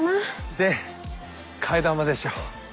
で替え玉でしょ。